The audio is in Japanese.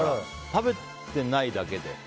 食べてないだけで。